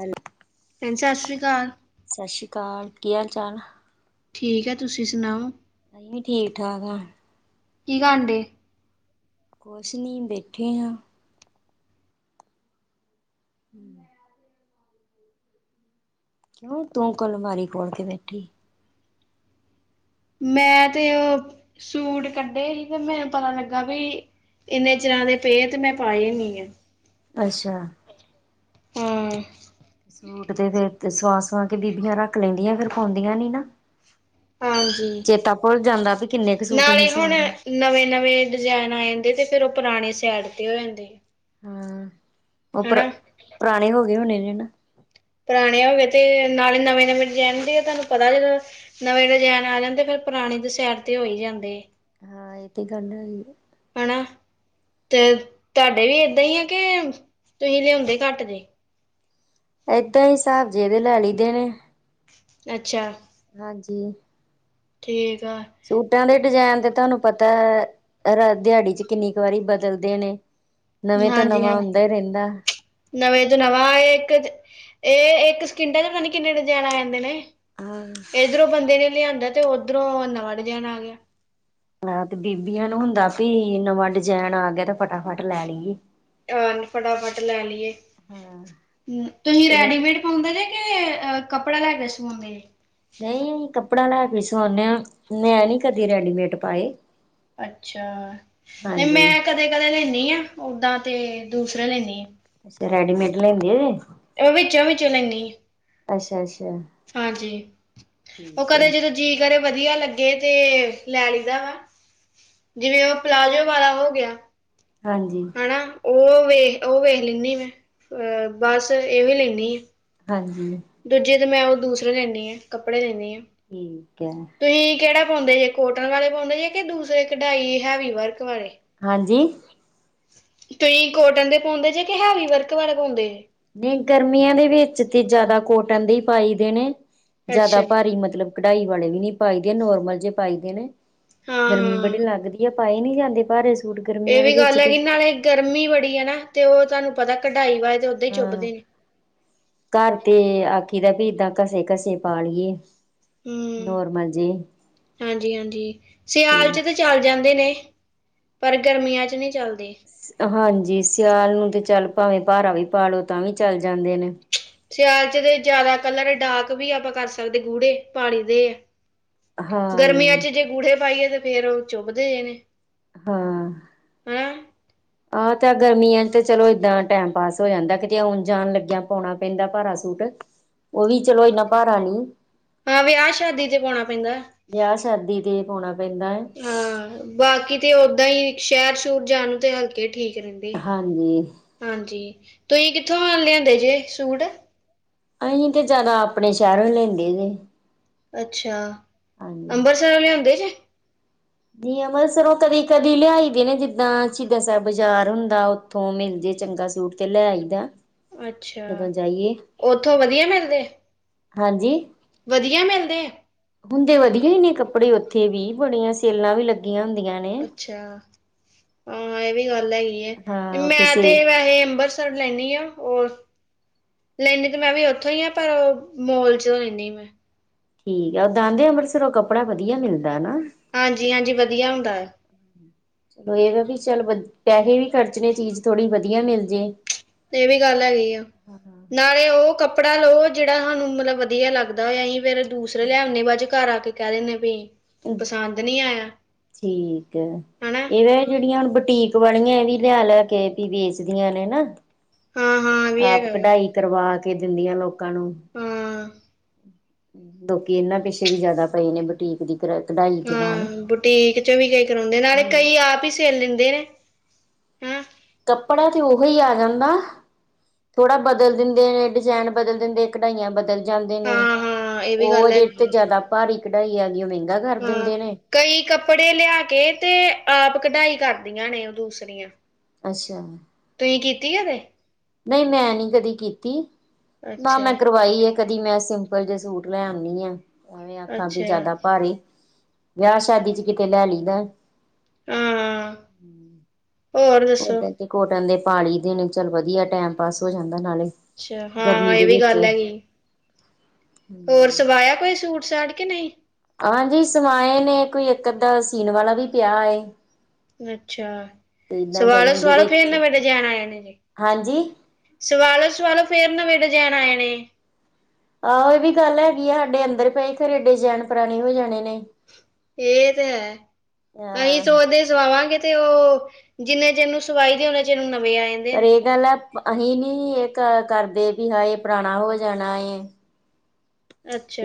ਵੱਲ ਸਤਿ ਸ੍ਰੀ ਅਕਾਲ। ਸਤਿ ਸ਼੍ਰੀ ਅਕਾਲ, ਕੀ ਹਾਲ ਚਾਲ। ਠੀਕ ਹੈ, ਤੁਸੀਂ ਸੁਣਾਓ। ਅਸੀਂ ਵੀ ਠੀਕ ਠਾਕ ਆ। ਕੀ [unintelligible] ਕੁਛ ਨਹੀਂ, ਬੈਠੇ ਹਾਂ। ਹੁੰ। ਕਿਉਂ ਤੂੰ ਕਲਮਾਰੀ ਖੋਲ ਕੇ ਬੈਠੀ? ਮੈਂ ਤੇ ਉਹ ਸੂਟ ਕੱਢੇ ਹੀ, ਤੇ ਮੈਨੂੰ ਪਤਾ ਲੱਗਾ ਬਾਈ ਇੰਨੇ ਚਿਰਾਂ ਦੇ ਪੇਏ, ਤੇ ਮੈਂ ਪਾਏ ਨਹੀਂ ਐ। ਅੱਛਾ। ਸੂਟ ਤੇ ਫਿਰ ਸਵਾ ਸਵਾ ਕੇ ਬੀਬੀਆਂ ਰੱਖ ਲੈਂਦੀਆਂ ਫ਼ਿਰ ਪਾਉਂਦੀਆਂ ਨੀ ਨਾ। ਹਾਂਜੀ ਚੇਤਾ ਭੁੱਲ ਜਾਂਦਾ ਵੀ ਕਿੰਨੇ ਕੁ ਸੂਟ ਆਹੀ ਨਾਲੇ ਹੁਣ ਸਵਾਲੇ। ਨਵੇਂ ਨਵੇਂ ਡਜੇਨ ਆ ਜਾਂਦੇ, ਤੇ ਫ਼ਿਰ ਉਹ ਪੁਰਾਣੇ ਸੈਡ ਤੇ ਹੋ ਜਾਂਦੇ ਹਾਂ, ਉਹ ਪਰ ਹਨਾ ਪੁਰਾਣੇ ਹੋ ਗਏ ਹੋਣੇ ਨੇ ਨਾ। ਪੁਰਾਣੇ ਹੋ ਗੇ ਤੇ ਨਾਲੇ ਨਵੇਂ ਨਵੇਂ ਡਿਜ਼ਾਇਨ ਹੁੰਦੇ ਤੁਹਾਨੂੰ ਪਤਾ ਜਦੋਂ ਨਵੇਂ ਡਜੇਨ ਆ ਜਾਂ ਤੇ ਫੇਰ ਪੁਰਾਣੇ ਤੇ ਸਾਈਡ ਤੇ ਹੋ ਹੀ ਜਾਂਦੇ। ਹਾਂ ਏ ਤਾ ਗੱਲ ਐ ਹੀ। ਹਨਾ ਤੇ ਤੁਹਾਡੇ ਵੀ ਏਦਾਂ ਹੀ ਆ ਕੇ ਤੁਸੀਂ ਲਿਆਉਂਦੇ ਘੱਟ ਜੇ। ਏਦਾਂ ਹੀ ਹਿਸਾਬ ਜੇ ਦੇ ਲੈ ਲਈਦੇ ਨੇ। ਅੱਛਾ। ਹਾਂਜੀ। ਠੀਕ ਆ। ਸੂਟਾਂ ਦੇ ਡਿਜ਼ਾਇਨ ਤੇ ਤੁਹਾਨੂੰ ਪਤਾ ਐ। ਦਿਹਾੜੀ ਚ ਕਿੰਨੀ ਕੁ ਵਾਰੀ ਬਦਲਦੇ ਨੇ। ਨਵੇਂ ਤੋਂ ਹਾਂਜੀ, ਨਵਾਂ ਹਾਂ ਹੁੰਦਾ ਹੀ ਰਹਿੰਦਾ। ਨਵੇਂ ਤੋਂ ਨਵਾਂ ਇੱਕ ਇਹ ਇੱਕ ਸਕਿੰਟਾਂ ਚ ਪਤਾ ਨ ਕਿੰਨੇ ਡਿਜਾਇਨ ਆ ਜਾਂਦੇ ਨੇ। ਆ ਇੱਧਰੋਂ ਬੰਦੇ ਨੇ ਲਿਆਂਦਾ ਤੇ ਉੱਧਰੋਂ ਨਵਾਂ ਡਿਜ਼ਾਇਨ ਆ ਗਿਆ। ਹਾਂ, ਤੇ ਬੀਬੀਆਂ ਨੂੰ ਹੁੰਦਾ ਵੀ ਨਵਾਂ ਡਿਜਾਇਨ ਆ ਗਿਆ ਤੇ ਫਟਾਫਟ ਲੈ ਲਈਏ। ਆ ਫਟਾਫਟ ਲੈ ਲਈਏ ਤੁਹੀ ਚਲੋ ਰੈਡੀਮੇਡ ਪਾਉਂਦੇ ਜੇ ਕੇ ਕੱਪੜਾ ਲੇ ਕੇ ਸਵਾਂਦੇ ਜੇ। ਨਹੀਂ ਕੱਪੜਾ ਲੈ ਕੇ ਸਵਾਉਂਨ ਆ, ਮੈਂ ਨੀ ਕਦੇ ਰੈਡੀਮੇਟ ਪਾਏ। ਅੱਛਾ, ਨਹੀਂ ਹਾਂਜੀ। ਮੈਂ ਕਦੇ ਕਦੇ ਲੈਂਨੀ ਆ, ਓਦਾਂ ਤੇ ਦੂਸਰਾ ਲੈਂਨੀ ਆ। ਅੱਛਾ, ਰੈਡੀਮੇਡ ਲੈਂਦੇ ਜੇ। ਊ ਵਿੱਚੋਂ ਵਿੱਚੋਂ ਲੈਂਨੀ ਅ। ਅੱਛਾ, ਅੱਛਾ। ਹਾਂਜੀ, ਉਹ ਠੀਕ ਹੈ। ਕਦੇ ਜਦੋਂ ਜੀ ਕਰੇ ਵਧੀਆ ਲੱਗੇ ਤੇ ਲੈ ਲਈਦਾ ਵਾ। ਜਿਵੇਂ ਉਹ ਪਲਾਜ਼ੋ ਵਾਲਾ ਹੋ ਗਿਆ। ਹਾਂਜੀ। ਹਨਾ, ਉਹ ਵੇਖ ਉਹ ਵੇਖ ਲੈਂਨੀ ਮੈਂ ਅਹ ਬਸ ਇਹ ਵੀ ਲੈਂਨੀ ਆ। ਹਾਂਜੀ। ਦੂਜੇ ਤੇ ਮੈਂ ਉਹ ਦੂਰੇ ਲੈਂਨੀ ਆ, ਕੱਪੜੇ ਲੈਂਨੀ ਹਾਂ। ਠੀਕ ਹੈ। ਤੁਸਹੀ ਕਿਹੜਾ ਪਾਉਂਦੇ ਜੇ, ਕੋਟਨ ਵਾਲੇ ਪਾਉਂਦੇ ਜੇ ਕਿ ਦੂਸਰੇ ਕਢਾਈ ਹੈਵੀ ਵਰਕ ਵਾਲੇ? ਹਾਂਜੀ। ਤੁਹੀ ਕੋਟਨ ਦੇ ਪਾਉਂਦੇ ਜੇ ਕਿ ਹੈਵੀ ਵਰਕ ਬੇ ਪਾਉਂਦੇ? ਨਹੀਂ ਗਰਮੀਆਂ ਦੇ ਵਿੱਚ ਤੇ ਜ਼ਿਆਦਾ ਕੋਟਨ ਦੇ ਪਾਈ ਦੇਣੇ, ਜਾਦਾ ਅੱਛਾ ਪਾਰੀ ਮਤਲਬ ਕਢਾਈ ਵਾਲੇ ਵੀ ਨੀ ਪਾਈਦੇ ਨੋਰਮਲ ਜੇ ਪਾਈ ਦੇ ਨੇ, ਹਾਂ ਗਰਮੀ ਹਾਂ ਬੜੀ ਲੱਗਦੀ ਪਾਏ ਨੀ ਜਾਂਦੇ ਪਾਰੇ ਇਹ ਵੀ ਗੱਲ ਐ ਕਿ ਨਾਲੇ ਗਰਮੀ ਬੜੀ ਐ ਨਾ ਤੇ ਉਹ ਤੁਹਾਨੂੰ ਪਤਾ ਕਢਾਈ ਵਏ ਤੇ ਓਦਾਂ ਹੀ ਚੁੱਭਦੇ ਨੇ। ਕਾਰ ਤੇ ਆਖੀਦਾ ਵੀ ਇਦਾਂ ਘਸੇ ਘਸੇ ਪਾ ਲਈਏ। ਨੋਰਮਲ ਜੀ। ਹਾਂਜੀ-ਹਾਂਜੀ, ਸਿਆਲ ਚ ਤਾਂ ਚੱਲ ਜਾਂਦੇ ਨੇ। ਪਰ ਗਰਮੀਆਂ ਚ ਨਹੀਂ ਚੱਲਦੇ। ਹਾਂਜੀ, ਸਿਆਲ ਨੂੰ ਤੇ ਚੱਲ ਭਾਵੇਂ ਭਾਰਾ ਵੀ ਪਾਲੋ ਤਾਂ ਵੀ ਚੱਲ ਜਾਂਦੇ ਨੇ। ਸਿਆਲ ਚ ਤੇ ਜ਼ਿਆਦਾ ਕਲਰ ਡਾਕ ਵੀ ਆਪਾਂ ਕਰ ਸਕਦੇ ਗੂੜੇ ਪਾਣੀ ਦੇ ਆ। ਗਰਮੀਆਂ ਹਾਂਜੀ ਚ ਜੇ ਗੂੜੇ ਪਾਈਏ ਤਾਂ ਫੇਰ ਉਹ ਚੁੱਭਦੇ ਜ ਨੇ। ਹਾਂ। ਹੈਂ। ਆਹ ਤੇ ਗਰਮੀਆਂ ਚ ਤੇ ਚਲੋ ਏਦਾਂ ਟੈਮ ਪਾਸ ਹੋ ਜਾਂਦਾ ਕਿਤੇ ਆਉਣ ਜਾਣ ਲੱਗਿਆ ਪਾਣਾ ਪੈਂਦਾ ਪਾਰਾ ਸੂਟ। ਉਹ ਵੀ ਚਲੋ ਇਏਨਾ ਪਾਰਾ ਨੀ। ਹਾਂ, ਵਿਆਹ ਸ਼ਾਦੀ ਤੇ ਪਾਉਣਾ ਪੈਂਦਾ। ਵਿਆਹ ਸ਼ਾਦੀ ਤੇ ਪਾਉਣਾ ਪੈਂਦਾ ਐ। ਹਾਂ ਬਾਕੀ ਤੇ ਓਦਾਂ ਹੀ ਸ਼ਹਿਰ ਸ਼ੁਰ ਜਾਣ ਤੇ ਹਲਕੇ ਠੀਕ ਰਹਿੰਦੇ। ਹਾਂਜੀ। ਹਾਂਜੀ, ਤੁਹੀ ਕਿੱਥੋਂ ਲਿਆਂਦੇ ਜੇ ਸ਼ੂਟ? ਆਹੀ ਤੇ ਜਾਦਾ ਆਪਣੇ ਸ਼ਹਿਰੋ ਹੀ ਲੈਂਦੇ ਜੇ। ਅੱਛਾ, ਹਾਂਜੀ ਅੰਬਰਸਰੋ ਲਿਆਂਉਦੇ ਜੇ? ਨੀ ਅੰਮ੍ਰਿਤਸਰੋਂ ਕਦੀ ਕਦੀ ਲਿਆਈ ਦੇ ਨੇ, ਜਿੱਦਾਂ ਸ਼ਹੀਦਾਂ ਸਾਹਿਬ ਬਾਜ਼ਾਰ ਹੁੰਦਾ ਹੋਮ ਇਜ ਚੰਗਾ ਸੂਟ। ਤੇ ਲੈ ਆਈਦਾ ਜਦੋਂ ਅੱਛਾ ਜਾਈਏ, ਉੱਥੋਂ ਵਧੀਆ ਮਿਲਦੇ ਹਾਂਜੀ। ਵਧੀਆ ਮਿਲਦੇ ਆ? ਹੁੰਦੈ ਵਧੀਆ ਹੀ ਨੇ ਕੱਪੜੇ ਉਥੇ ਵੀ ਬੜੀਆਂ ਸੇਲਾਂ ਵੀ ਲੱਗੀਆਂ ਹੁੰਦੀਆਂ। ਨੇ ਅੱਛਾ, ਇਹ ਵੀ ਗੱਲ ਹੈਗੀ ਐ, ਹਾਂ ਉੱਥੇ ਮੈਂ ਸੇ ਤੇ ਵੈਸੇ ਅੰਬਰ ਸਰੋਂ ਲੈਂਨੀ ਹਾਂ ਉਹਰ ਲੈਂਣੀ ਤੇ ਮੈਂ ਵੀ ਉਥੋਂ ਹੀ ਆ ਪਰ ਮੋਲ ਚੋਂ ਲੈਣੀ ਆਂ ਮੈਂ ਠੀਕ ਐ, ਉਦਾਂ ਤੇ ਅੰਮ੍ਰਿਤਸਰੋਂ ਕੱਪੜਾ ਵਧੀਆ ਮਿਲਦਾ ਨਾ। ਹਾਂਜੀ, ਹਾਂਜੀ ਵਧੀਆ ਹੁੰਦਾ ਐ। ਉਹ ਏ ਐ ਵੀ ਚਲ ਵੱਧ, ਪੈਸੇ ਵੀ ਖਰਚਣੇ ਚੀਜ਼ ਥੋੜੀ ਵਧੀਆ ਮਿਲ ਜੇ। ਇਹ ਵੀ ਗੱਲ ਹੈਗੀ ਆ। ਨਾਲੇ ਉਹ ਕੱਪੜਾ ਲਓ ਜਿਹੜਾ ਅਹਨੂੰ ਮਤਲਬ ਵਧੀਆ ਲੱਗਦਾ ਹੋ ਆਹੀ ਫੇਰ ਦੂਸਰੇ ਲੇ ਆਉਣੇ ਬਾਚੋਂ ਕਾਰ ਆ ਕੇ ਕਹਿ ਦਿੰਦੇ ਵੀ ਪਸੰਦ ਨਹੀਂ ਆਇਆ ਠੀਕ ਐ, ਹਨਾ ਇਹਦਾ ਜਿਹੜੀਆਂ ਹੁਣ ਬੁਟੀਕ ਵਾਲਣੀਆਂ ਇਹ ਵੀ ਲਿਆ ਲਿਆ ਕੇ ਵੀ ਵੇਚਦੀਆਂ ਨੇ ਨਾ। ਹਾਂ ਹਾਂ ਇਹ ਵੀ ਆਪ ਹੈਗਾ ਵਾ ਕਢਾਈ ਕਰਵਾ ਕੇ ਦਿੰਦੀਆਂ ਲੋਕਾਂ ਨੂੰ। ਹਾਂ ਲੋਕੀ ਇਹਨਾਂ ਪਿੱਛੇ ਵੀ ਜ਼ਿਆਦਾ ਪਏ ਨੇ ਬੁਟੀਕ ਦੀ। ਕਢਾਈ ਦੇ ਨਾਲ। ਬੁਟੀਕ ਚ ਵੀ ਗਏ ਕਰਾਉਂਦੇ, ਨਾਲੇ ਹੂੰ। ਕਈ ਆਪ ਹੀ ਸਿਲ ਲੈਂਦੇ ਨੇ। ਹੈਂ ਕੱਪੜਾ ਤਾ ਉਹੀ ਆ ਜਾਂਦਾ। ਥੋੜਾ ਬਦਲ ਦਿੰਦੇ ਨੇ ਡਿਜ਼ਾਇਨ ਬਦਲ ਦਿੰਦੇ, ਕਢਾਈਆਂ ਬਦਲ ਜਾਂਦੇ ਨੇ ਹਾਂ ਹਾਂ ਇਹ ਵੀ ਉਹ ਗੱਲ ਅਜੇ ਤੇ ਹੈਗੀ ਆ ਜਿਆਦਾ ਭਾਰੀ ਕਢਾਈ ਆ ਗਈ ਮਹਿੰਗਾ ਕਰ ਹਾਂ ਦਿੰਦੇ ਨੇ। ਕਈ ਕੱਪੜੇ ਲਿਆ ਕੇ ਤੇ ਆਪ ਕਢਾਈ ਕਰਦੀਆਂ ਨੇ ਦੂਸਰੀਆਂ। ਅੱਛਾ। ਤੁਹੀ ਕੀਤੀ ਆ ਕਦੇ? ਨਈ ਮੈਂ ਨੀ ਕਦੇ ਕੀਤੀ, ਨਾ ਅੱਛਾ ਮੈਂ ਕਰਵਾਈ ਏ। ਤਦੀ ਮੈਂ ਸਿੰਪਲ ਜੇ ਸੂਟ ਲੈ ਨੀ ਆ। ਔਵੇਂ ਆਖਾਂ ਕਿ ਅੱਛਾ ਜਾਦਾ ਭਾਰੀ ਵਿਆ ਸ਼ਾਦੀ 'ਚ ਕਿਤੇ ਲੈ ਲੀ ਦੈ। ਹਾਂ, ਔਰ ਦੱਸੋ। ਓਦਾਂ ਤੇ ਕੋਟਨ ਦੇ ਪਾ ਲਈ ਦੇ ਨੇ ਚਲ ਵਧੀਐ ਟਾਈਮ ਪਾਸ ਹੋ ਜਾਂਦੈ ਨਾਲੇ। ਹਾਂ, ਗਰਮੀ ਏ ਦੇ ਵੀ ਵਿੱਚ। ਗੱਲ ਹੈਗੀ। ਹੋਰ ਸਵਾਇਆ ਕੋਈ ਸੂਟ-ਸਾਟ ਕੇ ਨਈ। ਹਾਂ ਜੀ ਸਮਾਏ ਨੇ। ਕੋਈ ਇੱਕ ਅੱਧਾ ਸੀਨ ਵਾਲਾ ਵੀ ਪਿਆ ਏ। ਅੱਛਾ, ਤੇ ਏਦਾਂ ਗਰਮੀ ਦੇ ਸਵਾਲੋ-ਸਵਾਲੋ ਫੇਰ ਵਿੱਚ ਨਬੇੜ ਜਾਣਾ ਹੋਏ। ਹਾਂਜੀ [unintelligible] ਸਵਾਲੋ-ਸਵਾਲੋ ਫੇਰ ਨਬੇੜ ਜਾਣ ਆਏ ਨੇ। ਆਹੋ ਏ ਵੀ ਗੱਲ ਹੈਗੀ ਆ ਹਾਡੇ ਅੰਦਰ ਪਈ ਫਿਰ ਏਡੇ ਸਾਲ ਪਰਾਣੇ ਹੋ ਜਾਣੇ ਨੇ। ਏ ਤੇ ਹੈ, ਅਹੀ ਹਾਂ ਸੋਚਦੇ ਧੁਵਾਵਾਂਗੇ ਤੇ ਔ ਜਿੰਨੇ ਚਿਰ ਨੂੰ ਸਵਾਈ ਜਾਣੇ ਔਨੇ ਚਿਰ ਨੂੰ ਨਵੇਂ ਆ ਜਾਣੇ। ਪਰ ਏ ਗੱਲ ਐ ਅਹੀ ਨੀ ਇੱਕ ਕਰਦੇ ਬੀ ਹਾਏ ਪਰਾਣਾ ਹੋ ਜਾਣਾ ਏ।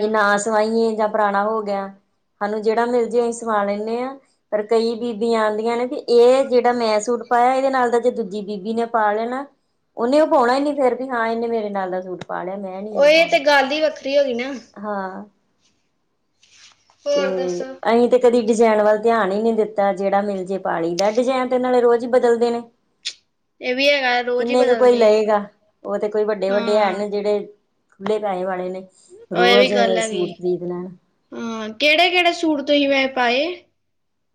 ਕਿ ਨਾ ਸਵਾਈਏ ਜਾਂ ਪੁਰਾਣਾ ਹੋ ਗਿਆ, ਸਾਨੂੰ ਜੇੜਾ ਮਿਲ ਜੇ ਔ ਹੀ ਸਵਾ ਲੈਨੇ ਆ। ਪਰ ਕਈ ਬੀਬੀਆਂ ਆਂਦੀਐ ਨੇ ਬੀ ਏ ਜੇੜਾ ਮੈਂ ਸੂਟ ਪਾਇਆ ਏਦੇ ਨਾਲ ਦਾ ਜੇ ਦੂਜੀ ਬੀਬੀ ਨੇ ਪਾ ਲੈਣਾ ਔਨੇ ਔ ਪੋਉਣਾ ਈ ਨਈ ਫਿਰ ਵੀ ਹਾਂ ਏਨੇ ਮੇਰੇ ਨਾਲ ਦਾ ਸੂਟ ਪਾ ਲਿਆ, ਮੈਂ ਨੀ ਔ ਇਹ ਏ ਤੇ ਪਾਉਣਾ। ਗਲ ਈ ਵੱਖਰੀ ਹੋ ਗੀ ਨਾ। ਹਾਂ। ਹੋਰ ਤੇ ਦੱਸੋ ਅਹੀ ਤੇ ਕਦੀ ਡਜੈਨ ਵੱਲ ਧਿਆਨ ਈ ਨੀ ਦਿੱਤਾ ਜੇੜਾ ਮਿਲ ਜੇ ਪਾ ਲਈ ਦੈ। ਡਜੈਨ ਤੇ ਨਾਲੇ ਰੋਜ਼ ਈ ਬਦਲਦੇ ਨੇ। ਇਹ ਵੀ ਹੈਗਾ ਰੋਜ਼ ਹੀ ਕਿੰਨੇ ਕ ਕੋਈ ਬਦਲਦੇ ਲਏਗਾ ਔ ਤੇ ਕੋਈ ਵੱਡੇ ਵੱਡੇ ਹੈ ਹਾਂ ਨੇ ਜੇੜੇ ਖੁੱਲੇ ਪੈਹੇ ਵਾਲੇ ਨੇ, ਉਹ ਇਹ ਵੀ ਰੋਜ ਗੱਲ ਹੈਗੀ ਸੂਟ ਖ਼ਰੀਦ ਲੈਣ ਹਾਂ, ਕੈੜੇ-ਕੈੜੇ ਸੂਟ ਤੁਹੀ ਵੈਹੇ ਪਾਏ।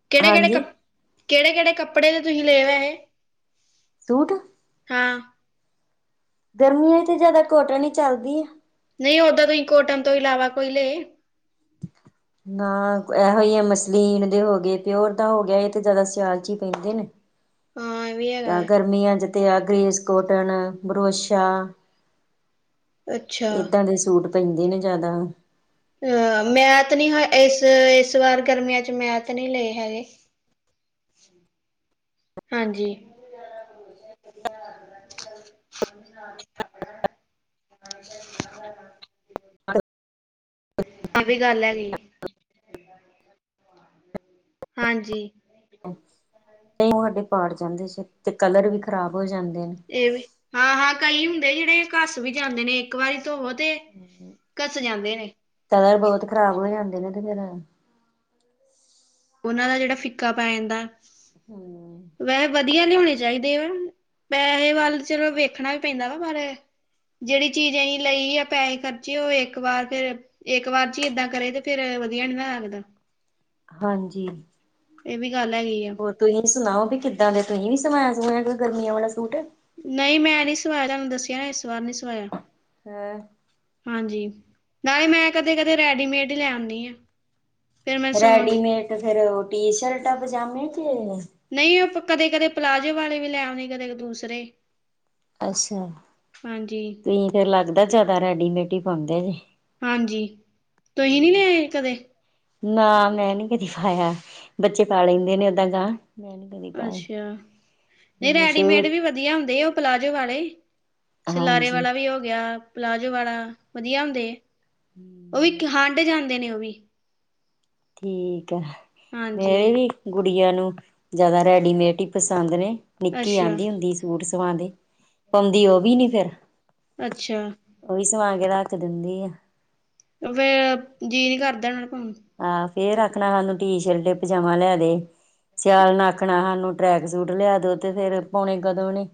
ਕੈੜੇ-ਕੈੜੇ ਹਾਂਜੀ ਕੱਪ ਕੈੜੇ-ਕੈੜੇ ਕੱਪੜੇ ਦੇ ਤੁਹੀ ਲਏ ਵੈਹੇ? ਸੂਟ ਹਾਂ। ਗਰਮੀਆਂ ਇੱਚ ਜਾਦਾ ਕੋਟਨ ਈ ਚਲਦੀ ਆ। ਨਈ ਔਦਾਂ ਤੁਹੀ ਕੋਟਨ ਤੋ ਇਲਾਵਾ ਕੋਈ ਲਏ? [inaudible] ਨਾ, ਐਹੋ ਈਏ ਮਸਲੀਨ ਦੇ ਹੋਗੇ, ਪੇਔਰ ਦਾ ਹੋ ਗਿਆ। ਏ ਤੇ ਜਾਦਾ ਸਿਆਲ 'ਚ ਈ ਪੈਂਦੇ ਨੇ। ਹਾਂ ਇਹ ਵੀ ਤਾਂ ਹੈਗਾ ਗਰਮੀਆਂ 'ਚ ਤੇ ਆ ਗ੍ਰੇਸਕੋਟਨ, ਬਰੋਸ਼ਾ ਅੱਛਾ ਏਦਾਂ ਦੇ ਸੂਟ ਪੈਂਦੇ ਨੇ ਜਾਦਾ। ਅ ਮੈ ਤ ਨੀ ਹਾ ਏਸ, ਏਸ ਵਾਰ ਗਰਮੀਆਂ 'ਚ ਮੈ ਤ ਨਈ ਲਏ ਹੈਗੇ। ਹਾਂਜੀ। [unintelligible] ਆ ਵੀ ਗਲ ਹੈਗੀ। [inaudible] [unintelligible] ਹਾਂਜੀ। [unintelligible] ਪਾੜ ਜਾਂਦੇ ਸੀ ਤੇ ਕਲਰ ਵੀ ਖਰਾਬ ਹੋ ਜਾਂਦੇ ਨੇ। ਏ ਵੀ, ਹਾਂ-ਹਾਂ ਕਈ ਹੁੰਦੇ ਜੇੜੇ ਘੱਸ ਵੀ ਜਾਂਦੇ ਨੇ। ਇੱਕ ਵਾਰੀ ਧੋਵੋ ਤੇ, ਘੱਸ ਜਾਂਦੇ ਨੇ। ਕਲਰ ਬੋਤ ਖਰਾਬ ਹੋ ਜਾਂਦੇ ਨੇ ਤੇ ਫੇਰ ਔਨਾਂ ਦਾ ਜੇੜਾ ਫਿੱਕਾ ਪੈ ਜਾਂਦਾ ਹੂੰ। ਵੈਹੇ ਵਧੀਆ ਲਿਆਉਣੇ ਚਾਈਦੇ ਵਾ। ਪੈਹੇ ਵਲ ਚਲੋ ਵੇਖਣਾ ਈ ਪੈਂਦਾ ਵਾ ਪਰ ਜੇੜੀ ਚੀਜ ਅਹੀ ਲਈ ਅ ਪੈਹੇ ਖਰਚੇ ਔ ਇੱਕ ਵਾਰ ਫੇਰ, ਇੱਕ ਵਾਰ ਜੀ ਏਦਾਂ ਕਰੇ ਤੇ ਫੇਰ ਵਧੀਆ ਨੀ ਨਾ ਲਗਦਾ। ਹਾਂਜੀ। ਏ ਵੀ ਗਲ ਹੈਗੀ ਆ। ਹੋਰ ਤੂਹੀ ਸੁਨਾਓ ਵੀ ਕਿੱਦਾਂ ਦੇ ਤੂਹੀ ਨੀ ਸੁਵਾਏਆ ਸਵੁਏਆ ਗਰਮੀਆਂ ਵਾਲਾ ਸੂਟ ਨਈ ਮੈਂ ਨੀ ਸਵਾਏਆ ਤੁਆਨੂ ਦੱਸੇਆ ਨਾ ਇਸ ਵਾਰ ਨੀ ਸੁਵਾਏਆ। [unintelligible] ਹਾਂਜੀ ਨਾਲੇ ਮੈਂ ਕਦੇ ਕਦੇ ਰੈਡੀਮੇਡ ਈ ਲੈ ਆਂਨੀ ਆਂ। ਰੈਡੀਮੇਟ ਫੇਰ ਓ ਟੀ ਸ਼ਰਟਾਂ ਪਜਾਮੇ ਕੇ ਨਈ ਓ ਕਦੇ ਕਦੇ ਪਲਾਜ਼ੋ ਵਾਲੇ ਵੀ ਲੈਓਂਨੇ ਕਦੇ ਦੂਸਰੇ। ਅੱਸਾ ਹਾਂਜੀ ਤੂਹੀ ਤੇ ਲਗਦਾ ਜਾਦਾ ਰੈਡੀਮੇਟ ਈ ਪਾਂਦੇ ਜੇ। ਹਾਂਜੀ ਤੂਹੀ ਨੀ ਲੇਆਏ ਕਦੇ ਨਾ ਮੈਂ ਨੀ ਕਦੀ ਪਾਏਆ ਬੱਚੇ ਪਾ ਲੈਂਦੇ ਨੇ ਓਦਾਂ ਤਾਂ ਅੱਛਾ। ਨਈ ਰੈਡੀਮੇਡ ਸ਼ੁਰੂ ਵੀ ਵਦੀਆ ਹੁੰਦੇ ਓ ਪਲਾਜੋ ਵਾਲੇ ਸ਼ਲਾਰੇ ਹਾਂਜੀ ਵਾਲਾ ਵੀ ਹੋ ਗੇਆ। ਪਲਾਜ਼ੋ ਵਾਲਾ ਵਦੀਆ ਹੁੰਦੇ। [inaudible] ਓ ਇਕ ਹੰਡ ਜਾਂਦੇ ਨੇ ਓ ਵੀ। ਠੀਕੈ ਮੇਰੇ ਹਾਂਜੀ, ਵੀ ਗੁੜੀਆਂ ਨੂੰ ਜਾਦਾ ਰੈਡੀਮੇਡ ਈ ਪਸੰਦ ਨੇ ਨਿੱਕੀ ਅੱਛਾ। ਆਹਂਦੀ ਹੁੰਦੀ ਸੀ ਸੂਟ ਸਵਾਦੇ ਪਾਉਂਦੀ ਓ ਵੀ ਨੀ ਫੇਰ। ਅੱਛਾ, ਓਵੀ ਸਵਾ ਕੇ ਰਖ ਦਿੰਦੀ ਐ। [unintelligible] ਜੀਅ ਨੀ ਕਰਦਾ ਏਨਾ ਨੂ ਪੋਨ ਨੂ। ਆ ਫ਼ੇਰ ਆਖਣਾ ਹਾਨੂੰ ਟੀ ਸ਼ਰਟ ਪਜਾਮਾ ਲੈ ਦੇ, ਸਿਆਲ ਨਾ ਆਖਣਾ ਹਾਨੂ ਟਰੈਕ ਸੂਟ ਲੇਆ ਦੋ ਤੇ ਫੇਰ ਪੌਣੇ ਕਦੋਂ ਨੇ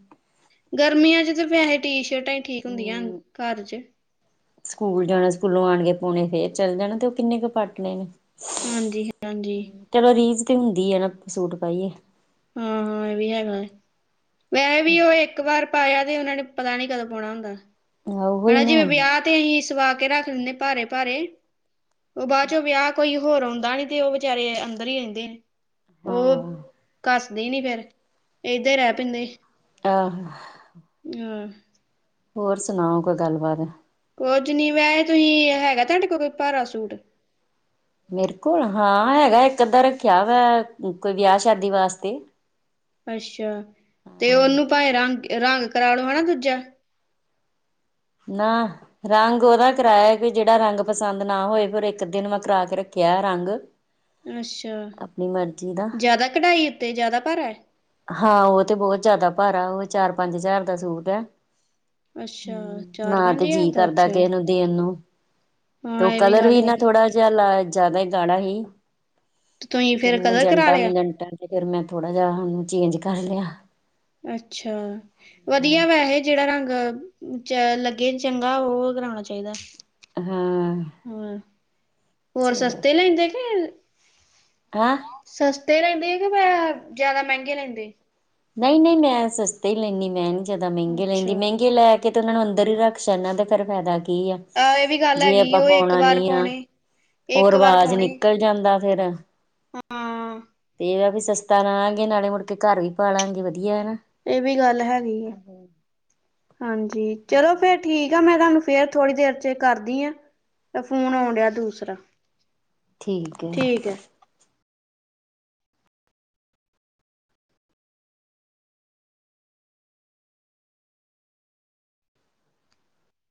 ਗਰਮੀਆਂ ਚ ਸਿਰਫ ਵੈਹੇ ਟੀਸ਼ਰਟਾਂ ਹੀ ਠੀਕ ਹੁੰਦੀਆਂ ਹੂੰ ਘਰ ਚ ਸਕੂਲ ਜਾਣਾ ਸਕੂਲੋਂ ਆਣਗੇ ਪੌਣੇ ਫੇਰ ਚੱਲ ਜਾਣਾ ਤੇ ਕਿੰਨੇ ਕੁ ਫਰਕ ਹਾਂਜੀ ਹਾਂਜੀ ਚਲੋ ਰੀਸ ਤੇ ਹੁੰਦੀ ਹ ਨਾ ਸੂਟ ਪਾਈਏ ਹਾਂ ਇਹ ਵੀ ਹੈਗਾ ਹੈ ਵੈਹੇ ਵੀ ਉਹ ਇੱਕ ਵਾਰ ਪਾਇਆ ਤੇ ਉਹਨਾਂ ਨੇ ਪਤਾ ਨੀ ਕਦੋਂ ਪਾਉਣਾ ਹੁੰਦਾ ਆਹੋ ਹੀ ਬੜਾ ਜੀ ਵੇ ਨਾ ਵਿਆਹ ਤੇ ਹੀ ਸਵਾ ਕੇ ਰੱਖ ਲੈਦੇ ਭਾਰੇ ਭਾਰੇ ਬੈਂਚੋ ਵੈਯਾ ਕੋਈ ਹੋਰ ਆਉਂਦਾ ਨਹੀਂ ਤੇ ਉਹ ਵਿਚਾਰੇ ਅੰਦਰ ਹੀ ਰਹਿੰਦੇ ਨੇ ਉਹ ਹਾਂ ਕੱਸਦੇ ਨੀ ਫੇਰ ਏਧਾ ਹੀ ਰਹਿ ਪੈਂਦੇ ਆਹ [unintelligible] ਹੋਰ ਸੁਨਾਓ ਕੋ ਗੱਲਬਾਤ ਕੁਝ ਨਹੀਂ ਮੈਂ ਤੁਹੀ ਹੈਗਾ ਤੁਹਾਡੇ ਕੋਲ ਭਾਰਾ ਸੂਟ ਮੇਰ ਕੋਲ ਹਾਂ ਹੈਗਾ ਇੱਕ ਆਦਾ ਵਾ ਕੋ ਵਯਾ ਸ਼ਾਦੀ ਵਾਸਤੇ ਅੱਸ਼ਾ ਤੇ ਉਹਨੂੰ ਭਾੲ ਰਾੰਗ ਕਰਾਨ ਵਾਲਾ ਦੂਜਾ ਨਾ ਰਾਂਗ ਓਹਦਾ ਕਰਾਇਆ ਕਿ ਜਿਹੜਾ ਰੰਗ ਪਸੰਦ ਨਾ ਹੋ ਫਿਰ ਇੱਕ ਦਿਨ ਮੈਂ ਕਰਾਕੇ ਰੱਖਿਆ ਰੰਗ ਅੱਸ਼ਾ ਆਪਣੀ ਮਰਜ਼ੀ ਦਾ ਜਾਦਾ ਕਡਾਈ ਉਤੇ ਜਾਦਾ ਭਾਰੈ ਹਾਂ ਓ ਤੇ ਬੋਹ ਜਾਦਾ ਭਾਰਾ ਓ ਚਾਰ, ਪੰਜ ਹਜਾਰ ਦਾ ਸੂਟ ਆ। ਅੱਛਾ ਨਾ ਚਾਰ ਤੇ ਪੰਜ ਜੀ ਹਜ਼ਾਰ ਦਾ ਕਰਦਾ ਅੱਛਾ ਕਿਹੇ ਨੂ ਦੇਨ ਨੂ ਹਾਂ ਤੋ ਇਹ ਕਲਰ ਗੱਲ ਵੀ ਨਾ ਹੈਗੀ ਥੋੜਾ ਜਿਹਾ ਜਿਆਦਾ ਹੀ ਗਾੜਾ ਸੀ ਤੁਸੀਂ ਤੇ ਫੇਰ ਕਲਰ ਕਰਾ ਮਜੰਟਾ ਲਿਆ ਮਜੁੰਟਾ ਫਿਰ ਮੈਂ ਥੋੜਾ ਜਿ ਉਹਨੂੰ ਚੇਂਜ ਕਰ ਲਿਆ ਅੱਛਾ ਵਧੀਆ ਵੈਹੇ ਜਿਹੜਾ ਰੰਗ ਚ ਲੱਗੇ ਚੰਗਾ ਉਹ ਕਰਾਣਾ ਚਾਹੀਦਾ ਹਾਂ ਹੋਰ ਚਲੋ ਸਸਤੇ ਲੈਂਦੇ ਕੇ [unintelligible] ਸਸਤੇ ਰਹਿੰਦੇ ਕਿ ਮੈਂ ਜਿਆਦਾ ਮਹਿੰਗੇ ਰਹਿੰਦੇ ਨਹੀਂ ਨਹੀਂ ਮੈਂ ਸਸਤੀ ਲੈਨੀ ਮੈ ਨੀ ਜਾਦਾ ਮਹਿੰਗੇ ਲੈਂਦੀ ਅੱਛਾ ਮਹਿੰਗੇ ਲੈ ਕਿਤਨਾ ਨੂੰ ਅੰਦਰ ਹੀ ਰੱਖ [unintelligible] ਤੇ ਫਿਰ ਫਾਇਦਾ ਕੀ ਹ ਆਹ ਇਹ ਵੀ ਗੱਲ ਹੈਗੀ ਉਹ ਇੱਕ ਭੋਨਾ ਨੀ ਵਾਰ ਆ ਪਾਉਣੇ ਓ ਇੱਕ ਵਾਰ ਰਵਾਜ ਪਾਉਣੇ ਨਿਕਲ ਚਲਦਾ ਮੇਰਾ ਹਾਂ ਵੀ ਸਸਤਾ ਰਹਾਂਗੇ ਨਾਲੇ ਮੁੜ ਕੇ ਘਰ [unintelligible] ਵਧੀਆ ਨਾ ਇਹ ਵੀ ਗੱਲ ਹੈਗੀ ਆ ਹਾਂਜੀ ਚਲੋ ਫੇਰ ਠੀਕ ਜਾ ਮੇਰਾ ਫੇਰ ਥੋੜੀ ਦੇਰ ਚ ਕਰਦੀ ਆ ਫੋਨ ਆਉਂਦਿਆ ਦੂਸਰਾ ਠੀਕੇ ਠੀਕ ਹੈ।